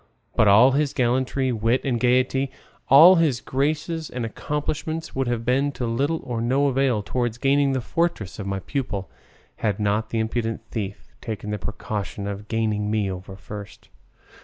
But all his gallantry, wit, and gaiety, all his graces and accomplishments, would have been of little or no avail towards gaining the fortress of my pupil, had not the impudent thief taken the precaution of gaining me over first.